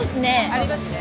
ありますね。